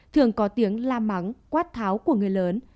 thường có tiếng la mắng quát tháo của người lớn